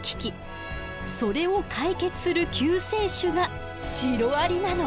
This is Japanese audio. それを解決する救世主がシロアリなの！